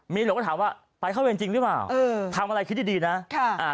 เมียหลวงก็ถามว่าไปเข้าเวรจริงหรือเปล่าทำอะไรคิดดีนะ